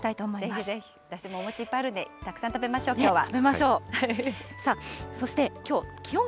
ぜひぜひ、私もお餅いっぱいあるんで、たくさん食べましょう、きょうは。